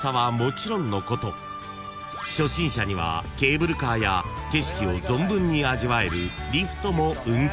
［初心者にはケーブルカーや景色を存分に味わえるリフトも運行］